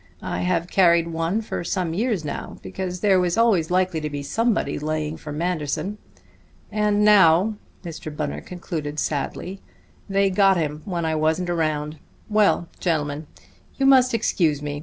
I have carried one for some years now, because there was always likely to be somebody laying for Manderson. And now," Mr. Bunner concluded sadly, "they got him when I wasn't around. Well, gentlemen, you must excuse me.